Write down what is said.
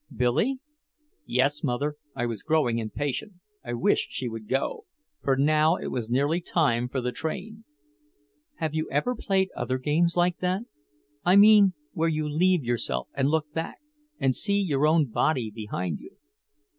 "Billy." "Yes, mother." I was growing impatient, I wished she would go, for now it was nearly time for the train. "Have you ever played other games like that? I mean where you leave yourself and look back and see your own body behind you."